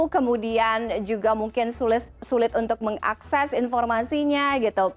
kemudian juga mungkin sulit untuk mengakses informasinya gitu